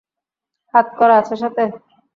হাতকড়া আছে সাথে?